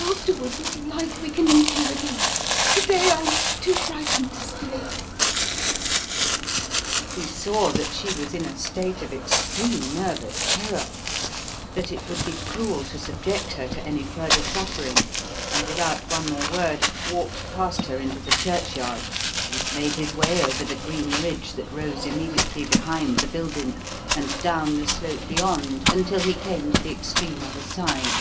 Afterward, if you like, we can meet here again. To day I am too frightened to stay." He saw that she was in a state of extreme nervous terror; that it would be cruel to subject her to any further suffering, and without one more word, walked past her into the Churchyard and made his way over the green ridge that rose immediately behind the building and down the slope beyond until he came to the extreme other side.